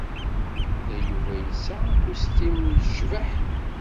Yella Yuba yelsa akustim yecbeḥ.